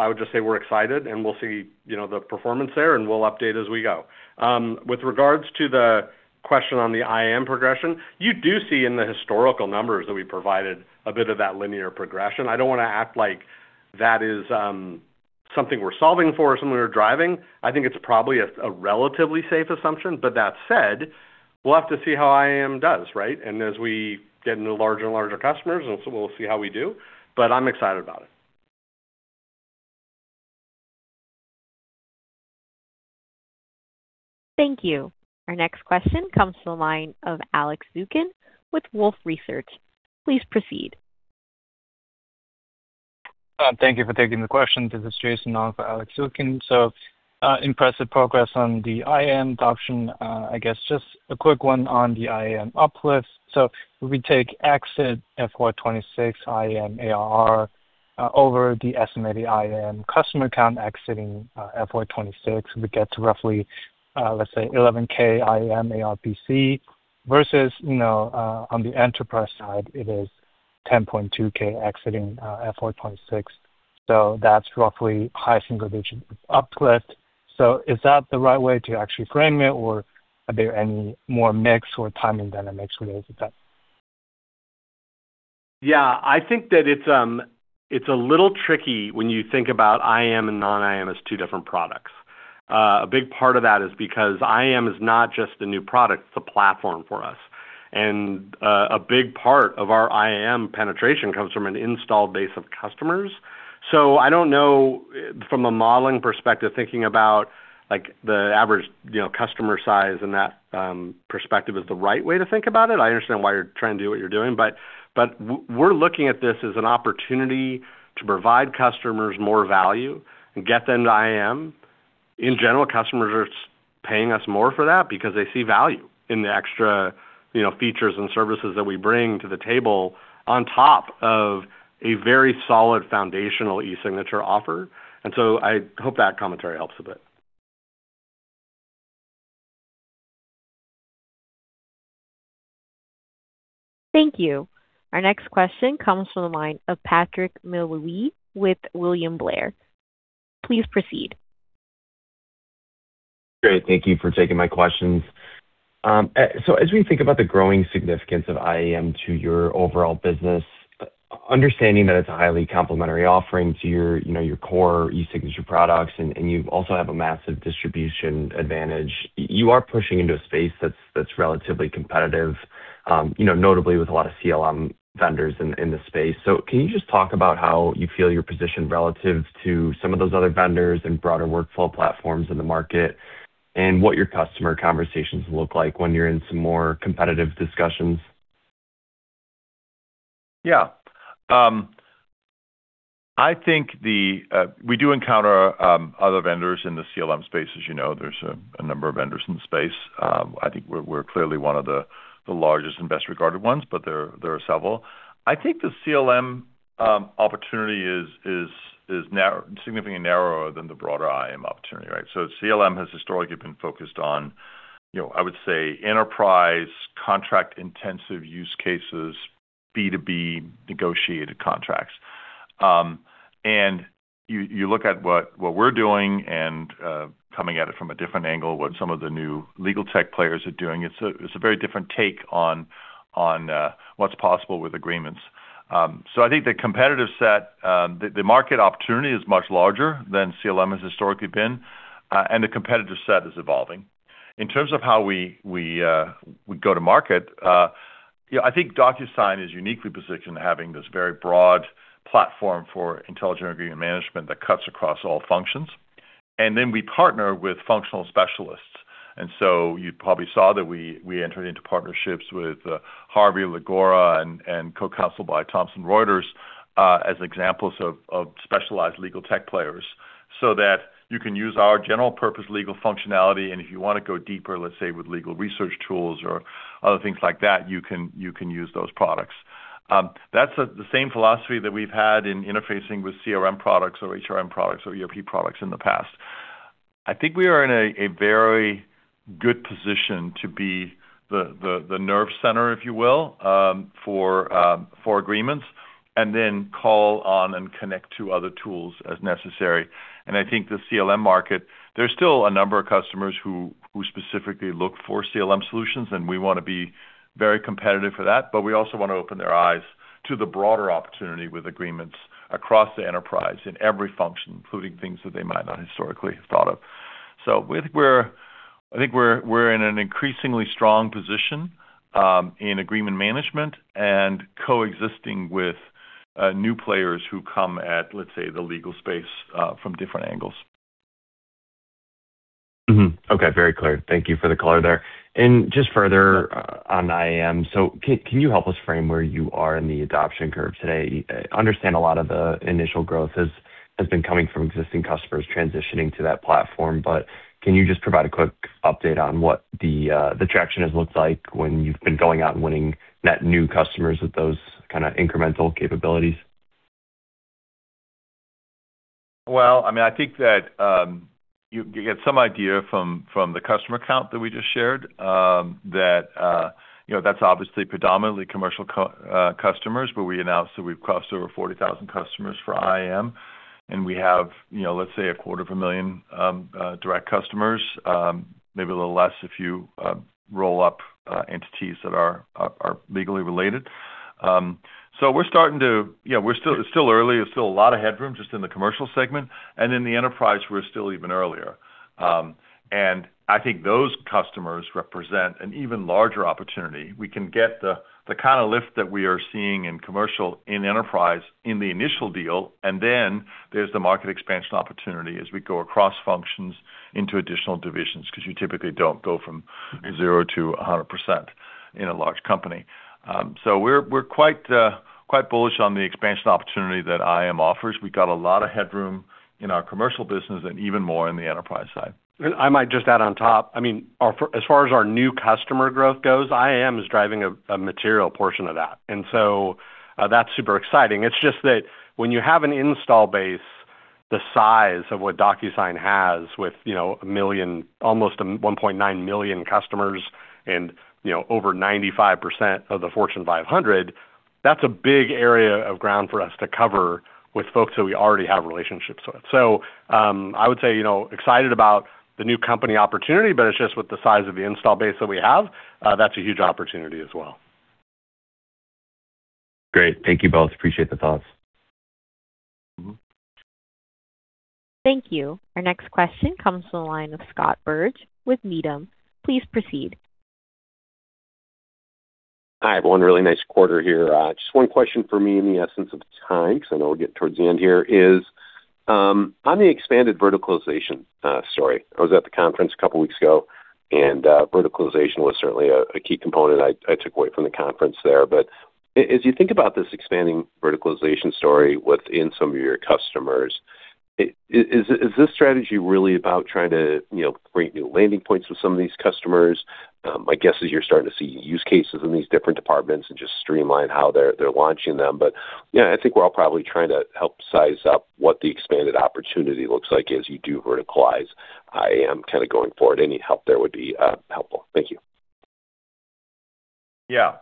would just say we're excited, and we'll see the performance there, and we'll update as we go. With regards to the question on the IAM progression, you do see in the historical numbers that we provided a bit of that linear progression. I don't want to act like that is something we're solving for or something we're driving. I think it's probably a relatively safe assumption. That said, we'll have to see how IAM does, right? As we get into larger and larger customers, and so we'll see how we do, but I'm excited about it. Thank you. Our next question comes to the line of Alex Zukin with Wolfe Research. Please proceed. Thank you for taking the question. This is Jason Wong for Alex Zukin. Impressive progress on the IAM adoption. I guess just a quick one on the IAM uplift. If we take exit FY 2026 IAM ARR over the estimated IAM customer count exiting FY 2026, we get to roughly, let's say, $11K IAM ARPC versus, on the enterprise side, it is $10.2K exiting FY 2026. That's roughly high single-digit uplift. Is that the right way to actually frame it, or are there any more mix or timing dynamics related to that? Yeah, I think that it's a little tricky when you think about IAM and non-IAM as two different products. A big part of that is because IAM is not just a new product, it's a platform for us. A big part of our IAM penetration comes from an installed base of customers. I don't know from a modeling perspective, thinking about the average customer size and that perspective is the right way to think about it. I understand why you're trying to do what you're doing, we're looking at this as an opportunity to provide customers more value and get them to IAM. In general, customers are paying us more for that because they see value in the extra features and services that we bring to the table on top of a very solid foundational e-signature offer. I hope that commentary helps a bit. Thank you. Our next question comes from the line of Patrick Walravens with William Blair. Please proceed. Great. Thank you for taking my questions. As we think about the growing significance of IAM to your overall business, understanding that it's a highly complementary offering to your core e-signature products, and you also have a massive distribution advantage, you are pushing into a space that's relatively competitive, notably with a lot of CLM vendors in the space. Can you just talk about how you feel you're positioned relative to some of those other vendors and broader workflow platforms in the market, and what your customer conversations look like when you're in some more competitive discussions? Yeah. I think we do encounter other vendors in the CLM space, as you know. There's a number of vendors in the space. I think we're clearly one of the largest and best-regarded ones, but there are several. I think the CLM opportunity is significantly narrower than the broader IAM opportunity, right? CLM has historically been focused on, I would say, enterprise contract-intensive use cases, B2B negotiated contracts. You look at what we're doing and coming at it from a different angle, what some of the new legal tech players are doing, it's a very different take on what's possible with agreements. I think the market opportunity is much larger than CLM has historically been, and the competitive set is evolving. In terms of how we go to market, I think DocuSign is uniquely positioned to having this very broad platform for Intelligent Agreement Management that cuts across all functions. We partner with functional specialists. You probably saw that we entered into partnerships with Harvey, Legora, and CoCounsel by Thomson Reuters as examples of specialized legal tech players, so that you can use our general purpose legal functionality, and if you want to go deeper, let's say, with legal research tools or other things like that, you can use those products. That's the same philosophy that we've had in interfacing with CRM products or HRM products or ERP products in the past. I think we are in a very good position to be the nerve center, if you will, for agreements, and then call on and connect to other tools as necessary. I think the CLM market, there's still a number of customers who specifically look for CLM solutions, and we want to be very competitive for that. We also want to open their eyes to the broader opportunity with agreements across the enterprise in every function, including things that they might not historically have thought of. I think we're in an increasingly strong position in agreement management and coexisting with new players who come at, let's say, the legal space from different angles. Okay. Very clear. Thank you for the color there. Just further on IAM. Can you help us frame where you are in the adoption curve today? I understand a lot of the initial growth has been coming from existing customers transitioning to that platform, but can you just provide a quick update on what the traction has looked like when you've been going out and winning net new customers with those kind of incremental capabilities? I think that you get some idea from the customer count that we just shared, that's obviously predominantly commercial customers, but we announced that we've crossed over 40,000 customers for IAM, and we have, let's say, a quarter of a million direct customers, maybe a little less if you roll up entities that are legally related. It's still early. There's still a lot of headroom just in the commercial segment. In the enterprise, we're still even earlier. I think those customers represent an even larger opportunity. We can get the kind of lift that we are seeing in commercial, in enterprise, in the initial deal, there's the market expansion opportunity as we go across functions into additional divisions, because you typically don't go from 0% to 100% in a large company. We're quite bullish on the expansion opportunity that IAM offers. We've got a lot of headroom in our commercial business and even more in the enterprise side. I might just add on top, as far as our new customer growth goes, IAM is driving a material portion of that, and so that's super exciting. It's just that when you have an install base the size of what DocuSign has with almost 1.9 million customers and over 95% of the Fortune 500, that's a big area of ground for us to cover with folks that we already have relationships with. I would say, excited about the new company opportunity, but it's just with the size of the install base that we have, that's a huge opportunity as well. Great. Thank you both. Appreciate the thoughts. Thank you. Our next question comes from the line of Scott Berg with Needham. Please proceed. Hi, everyone. Really nice quarter here. Just one question from me in the essence of time, because I know we're getting towards the end here, is on the expanded verticalization story. I was at the conference a couple of weeks ago, and verticalization was certainly a key component I took away from the conference there. As you think about this expanding verticalization story within some of your customers, is this strategy really about trying to create new landing points with some of these customers? My guess is you're starting to see use cases in these different departments and just streamline how they're launching them. Yeah, I think we're all probably trying to help size up what the expanded opportunity looks like as you do verticalize IAM kind of going forward. Any help there would be helpful. Thank you. Yeah.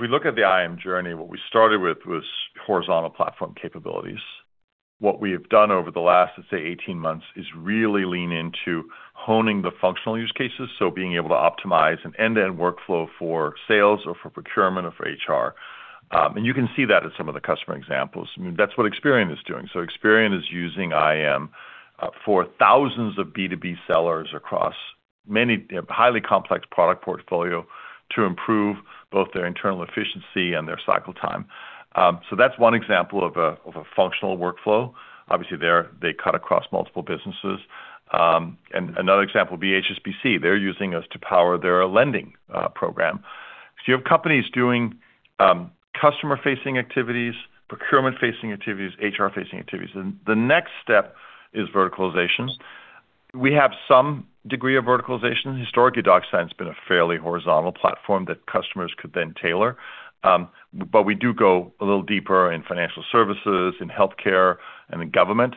We look at the IAM journey. What we started with was horizontal platform capabilities. What we have done over the last, let's say, 18 months is really lean into honing the functional use cases, so being able to optimize an end-to-end workflow for sales or for procurement or for HR. You can see that in some of the customer examples. That's what Experian is doing. Experian is using IAM for thousands of B2B sellers across many highly complex product portfolio to improve both their internal efficiency and their cycle time. That's one example of a functional workflow. Obviously, they cut across multiple businesses. Another example would be HSBC. They're using us to power their lending program. You have companies doing customer-facing activities, procurement-facing activities, HR-facing activities. The next step is verticalization. We have some degree of verticalization. Historically, DocuSign's been a fairly horizontal platform that customers could then tailor. We do go a little deeper in financial services, in healthcare, and in government.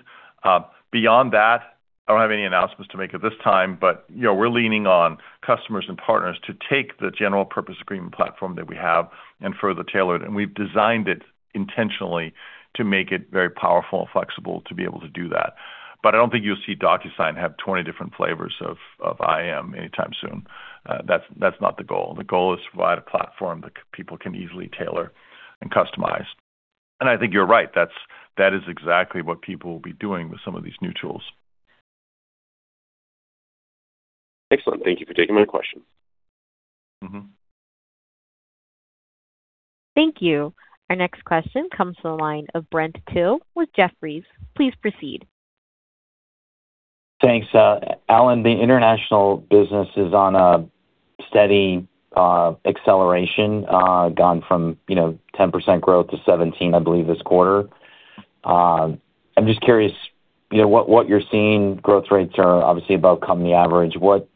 Beyond that, I don't have any announcements to make at this time, but we're leaning on customers and partners to take the general purpose agreement platform that we have and further tailor it. We've designed it intentionally to make it very powerful and flexible to be able to do that. I don't think you'll see DocuSign have 20 different flavors of IAM anytime soon. That's not the goal. The goal is to provide a platform that people can easily tailor and customize. I think you're right. That is exactly what people will be doing with some of these new tools. Excellent. Thank you for taking my question. Thank you. Our next question comes to the line of Brent Thill with Jefferies. Please proceed. Thanks. Allan, the international business is on a steady acceleration, gone from 10% growth to 17%, I believe, this quarter. I'm just curious what you're seeing. Growth rates are obviously above company average. What's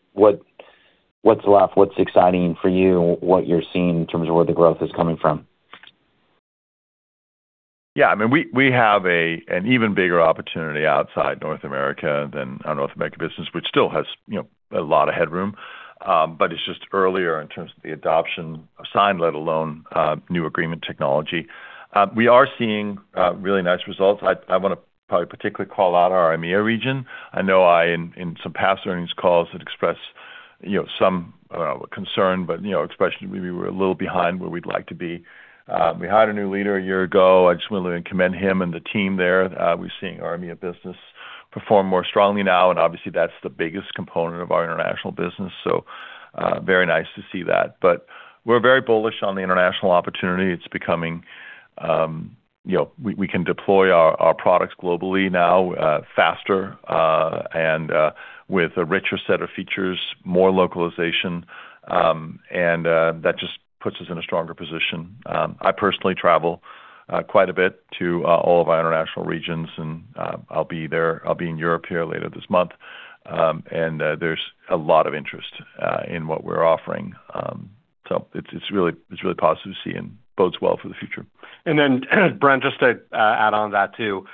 left? What's exciting for you? What you're seeing in terms of where the growth is coming from? Yeah, we have an even bigger opportunity outside North America than our North American business, which still has a lot of headroom. It's just earlier in terms of the adoption of sign, let alone new agreement technology. We are seeing really nice results. I want to probably particularly call out our EMEA region. I know I, in some past earnings calls, had expressed some concern, but expressed that we were a little behind where we'd like to be. We hired a new leader a year ago. I just want to commend him and the team there. We're seeing our EMEA business perform more strongly now, and obviously, that's the biggest component of our international business, so very nice to see that. We're very bullish on the international opportunity. We can deploy our products globally now faster and with a richer set of features, more localization, that just puts us in a stronger position. I personally travel quite a bit to all of our international regions, and I'll be in Europe here later this month. There's a lot of interest in what we're offering. It's really positive to see and bodes well for the future. Brent, just to add on that, too.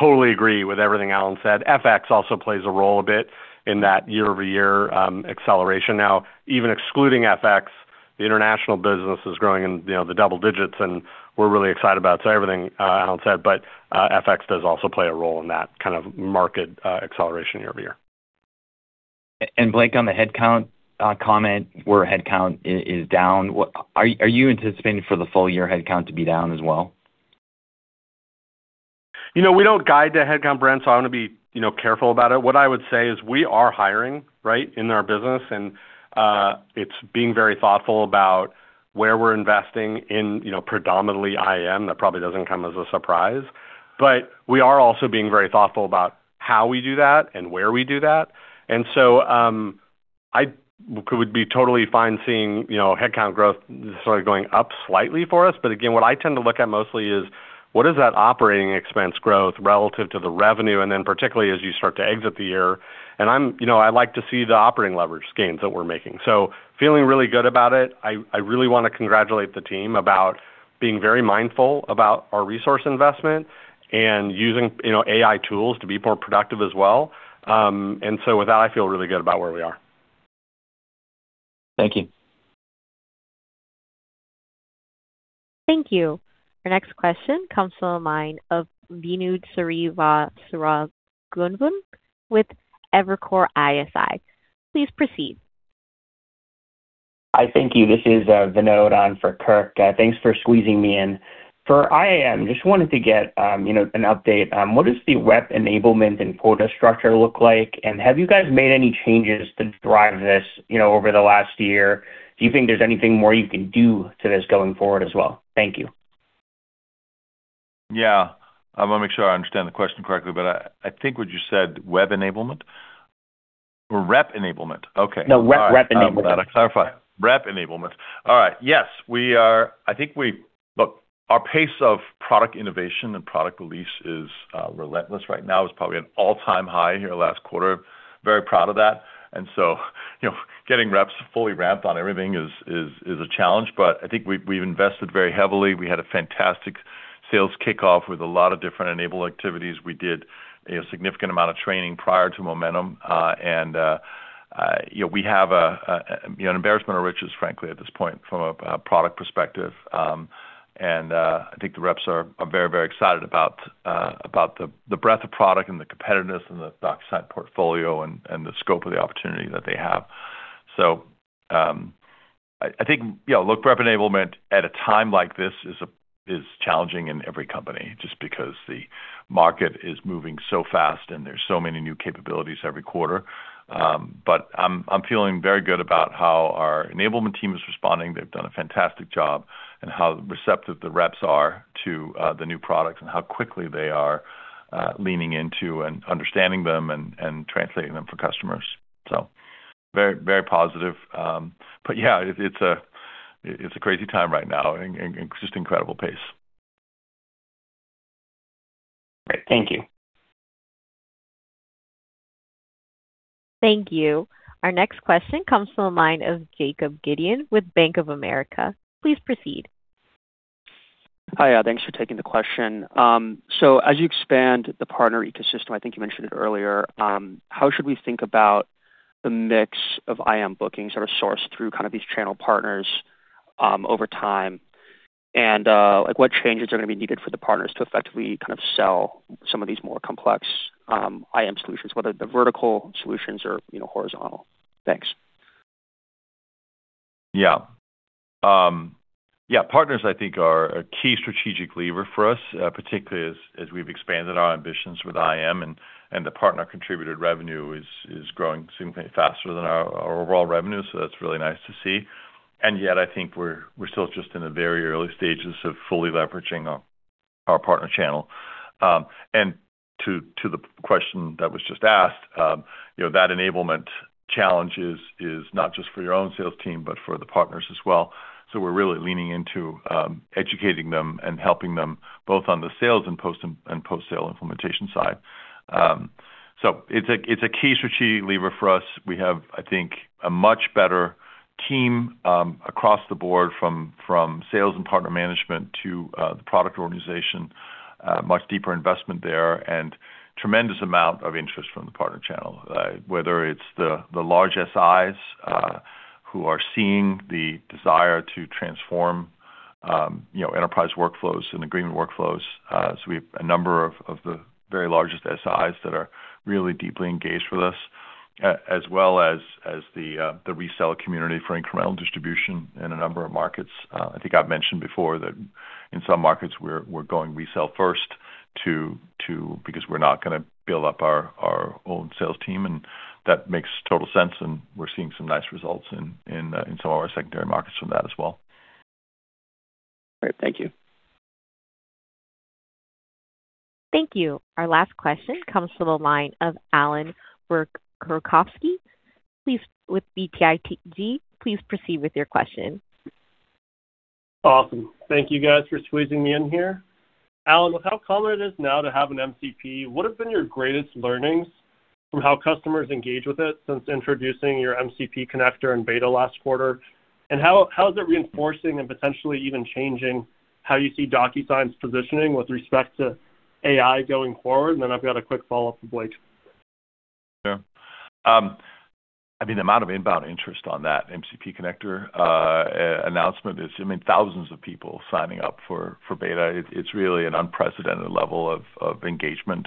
Totally agree with everything Allan said. FX also plays a role a bit in that year-over-year acceleration now. Even excluding FX, the international business is growing in the double digits, and we're really excited about everything Allan said, but FX does also play a role in that kind of market acceleration year over year. Blake, on the headcount comment where headcount is down, are you anticipating for the full-year headcount to be down as well? We don't guide to headcount, Brent. I want to be careful about it. What I would say is we are hiring in our business, and it's being very thoughtful about where we're investing in predominantly IAM, that probably doesn't come as a surprise. We are also being very thoughtful about how we do that and where we do that. I would be totally fine seeing headcount growth sort of going up slightly for us. Again, what I tend to look at mostly is what is that operating expense growth relative to the revenue, and then particularly as you start to exit the year. I like to see the operating leverage gains that we're making. Feeling really good about it. I really want to congratulate the team about being very mindful about our resource investment and using AI tools to be more productive as well. With that, I feel really good about where we are. Thank you. Thank you. Our next question comes from the line of Vibhor (Gungun) with Evercore ISI. Please proceed. Hi. Thank you. This is Vibhor Mohan on for Kirk. Thanks for squeezing me in. For IAM, just wanted to get an update. What does the WEP enablement and quota structure look like? Have you guys made any changes to drive this over the last year? Do you think there's anything more you can do to this going forward as well? Thank you. Yeah. I want to make sure I understand the question correctly, but I think what you said, web enablement? Or rep enablement? Okay. No, rep enablement. Got it. Clarify. Rep enablement. All right. Yes. Look, our pace of product innovation and product release is relentless right now. It's probably at an all-time high here last quarter. Very proud of that. Getting reps fully ramped on everything is a challenge, but I think we've invested very heavily. We had a fantastic sales kickoff with a lot of different enable activities. We did a significant amount of training prior to Momentum. We have an embarrassment of riches, frankly, at this point from a product perspective. I think the reps are very excited about the breadth of product and the competitiveness in the DocuSign portfolio and the scope of the opportunity that they have. I think, look, rep enablement at a time like this is challenging in every company just because the market is moving so fast and there's so many new capabilities every quarter. I'm feeling very good about how our enablement team is responding, they've done a fantastic job, and how receptive the reps are to the new products and how quickly they are leaning into and understanding them and translating them for customers. Very positive. Yeah, it's a crazy time right now and just incredible pace. Great. Thank you. Thank you. Our next question comes from the line of Jacob Gideon with Bank of America. Please proceed. Hi. Thanks for taking the question. As you expand the partner ecosystem, I think you mentioned it earlier, how should we think about the mix of IM bookings that are sourced through kind of these channel partners over time? What changes are going to be needed for the partners to effectively kind of sell some of these more complex IM solutions, whether they're vertical solutions or horizontal? Thanks. Yeah. Partners, I think, are a key strategic lever for us, particularly as we've expanded our ambitions with IM, and the partner-contributed revenue is growing significantly faster than our overall revenue, so that's really nice to see. Yet, I think we're still just in the very early stages of fully leveraging our partner channel. To the question that was just asked, that enablement challenge is not just for your own sales team, but for the partners as well. We're really leaning into educating them and helping them both on the sales and post-sale implementation side. It's a key strategic lever for us. We have, I think, a much better team across the board from sales and partner management to the product organization, a much deeper investment there, and tremendous amount of interest from the partner channel, whether it's the large SIs who are seeing the desire to transform enterprise workflows and agreement workflows. We have a number of the very largest SIs that are really deeply engaged with us, as well as the resell community for incremental distribution in a number of markets. I think I've mentioned before that in some markets, we're going resell first because we're not gonna build up our own sales team, and that makes total sense, and we're seeing some nice results in some of our secondary markets from that as well. All right. Thank you. Thank you. Our last question comes from the line of Allan Verkhovski with BTIG. Please proceed with your question. Awesome. Thank you guys for squeezing me in here. Allan, with how common it is now to have an MCP, what have been your greatest learnings from how customers engage with it since introducing your MCP connector in beta last quarter? How is it reinforcing and potentially even changing how you see DocuSign's positioning with respect to AI going forward? I've got a quick follow-up for Blake. Sure. I mean, the amount of inbound interest on that MCP connector announcement is, I mean, thousands of people signing up for beta. It's really an unprecedented level of engagement.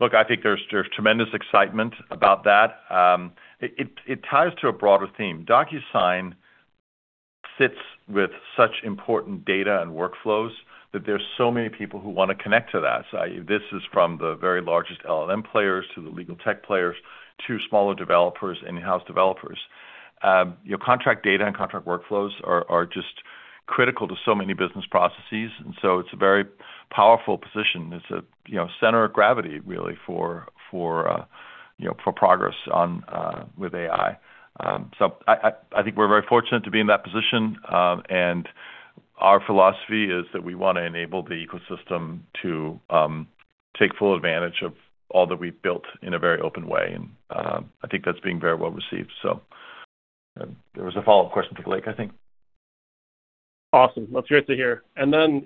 Look, I think there's tremendous excitement about that. It ties to a broader theme. DocuSign sits with such important data and workflows that there's so many people who want to connect to that. This is from the very largest LLM players to the legal tech players to smaller developers, in-house developers. Contract data and contract workflows are just critical to so many business processes, it's a very powerful position. It's a center of gravity, really, for progress with AI. I think we're very fortunate to be in that position. Our philosophy is that we want to enable the ecosystem to take full advantage of all that we've built in a very open way, and I think that's being very well received. There was a follow-up question for Blake, I think. Awesome. That's great to hear.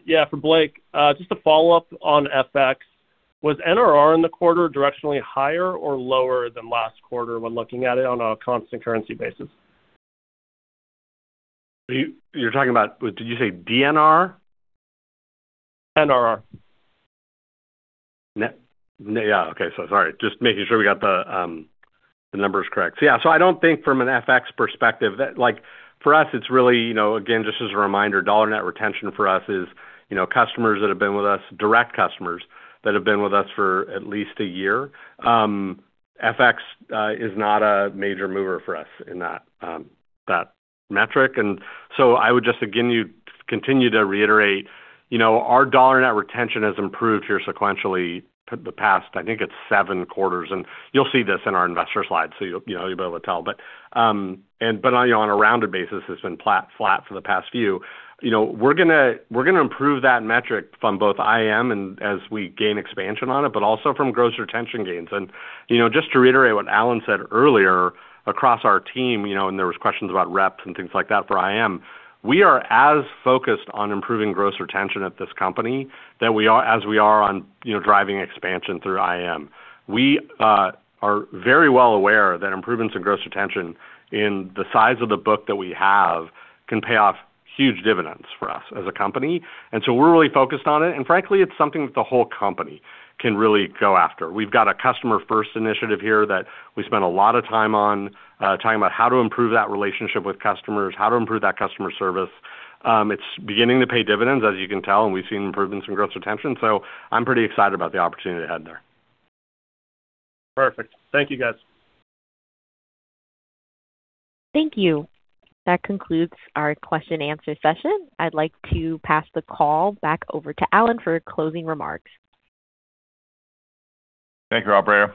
Yeah, for Blake, just a follow-up on FX. Was NRR in the quarter directionally higher or lower than last quarter when looking at it on a constant currency basis? You're talking about, did you say DNR? NRR. Yeah. Okay. Sorry, just making sure we got the numbers correct. Yeah, so I don't think from an FX perspective that-- For us, it's really, again, just as a reminder, dollar net retention for us is customers that have been with us, direct customers that have been with us for at least a year. FX is not a major mover for us in that metric. I would just, again, continue to reiterate, our dollar net retention has improved here sequentially the past, I think it's seven quarters. You'll see this in our investor slide, so you'll be able to tell. On a rounded basis, it's been flat for the past few. We're going to improve that metric from both IAM and as we gain expansion on it, but also from gross retention gains. Just to reiterate what Allan said earlier, across our team, there was questions about reps and things like that for IAM, we are as focused on improving gross retention at this company as we are on driving expansion through IAM. We are very well aware that improvements in gross retention in the size of the book that we have can pay off huge dividends for us as a company. We're really focused on it. Frankly, it's something that the whole company can really go after. We've got a customer-first initiative here that we spend a lot of time on, talking about how to improve that relationship with customers, how to improve that customer service. It's beginning to pay dividends, as you can tell, and we've seen improvements in gross retention. I'm pretty excited about the opportunity ahead there. Perfect. Thank you, guys. Thank you. That concludes our question-answer session. I'd like to pass the call back over to Allan for closing remarks. Thank you, operator.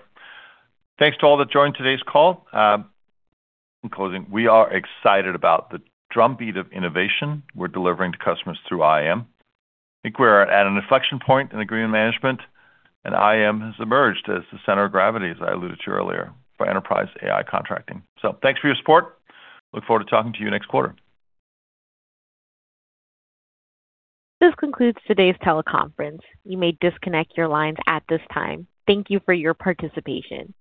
Thanks to all that joined today's call. In closing, we are excited about the drumbeat of innovation we're delivering to customers through IAM. I think we're at an inflection point in agreement management, and IAM has emerged as the center of gravity, as I alluded to earlier, for enterprise AI contracting. Thanks for your support. Look forward to talking to you next quarter. This concludes today's teleconference. You may disconnect your lines at this time. Thank you for your participation.